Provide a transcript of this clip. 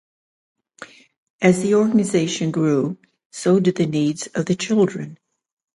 As the organization grew so did the needs of the children.